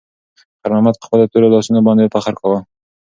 خیر محمد په خپلو تورو لاسونو باندې فخر کاوه.